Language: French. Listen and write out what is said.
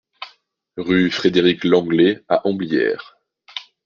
Rue Frédéric Lenglet à Homblières